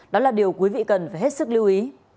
đó là điều quý vị cần phải hết sức lưu ý